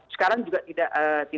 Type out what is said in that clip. sekarang juga tidak